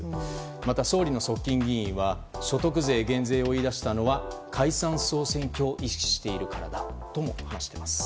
また、総理の側近議員は所得税減税を言い出したのは解散・総選挙を意識しているからだとも話しています。